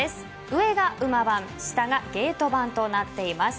上が馬番下がゲート番となっています。